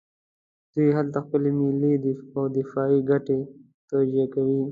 دوی هلته خپلې ملي او دفاعي ګټې توجیه کوي.